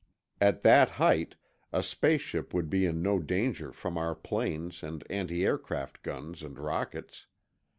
At that height, a space ship would be in no danger from our planes and antiaircraft guns and rockets.